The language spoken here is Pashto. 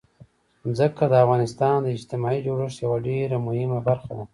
ځمکه د افغانستان د اجتماعي جوړښت یوه ډېره مهمه برخه ده.